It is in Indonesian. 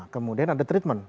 kemudian ada treatment